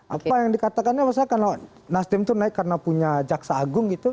apa yang dikatakannya misalkan nasdem itu naik karena punya jaksa agung gitu